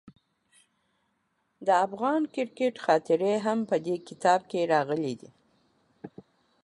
د افغان کرکټ خاطرې هم په دې کتاب کې راغلي دي.